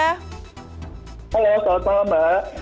halo selamat malam mbak